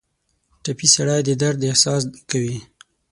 ټپي سړی د درد احساس کوي.